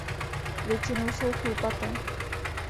Většinou jsou chlupaté.